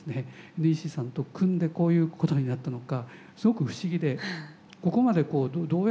ＮＥＣさんと組んでこういうことになったのかすごく不思議でここまでこうどうやって。